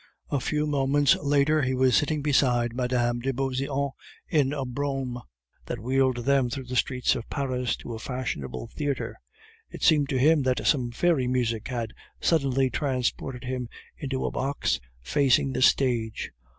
A few moments later he was sitting beside Mme. de Beauseant in a brougham, that whirled them through the streets of Paris to a fashionable theatre. It seemed to him that some fairy magic had suddenly transported him into a box facing the stage.